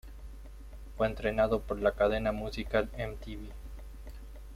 Fue estrenado por la cadena musical Mtv.